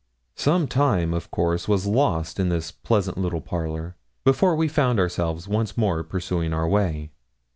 Some time, of course, was lost in this pleasant little parlour, before we found ourselves once more pursuing our way.